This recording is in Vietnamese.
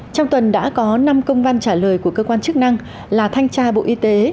trong tuần đã có năm công văn trả lời của cơ quan chức năng là thanh tra bộ y tế